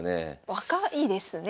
若いですね